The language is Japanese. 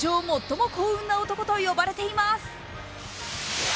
最も幸運な男と呼ばれています。